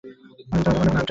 আর কোনো আপডেট?